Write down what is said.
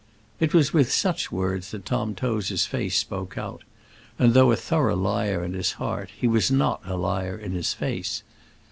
It was with such words that Tom Tozer's face spoke out; and though a thorough liar in his heart, he was not a liar in his face.